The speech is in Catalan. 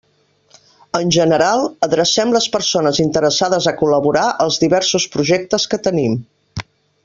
En general, adrecem les persones interessades a col·laborar als diversos projectes que tenim.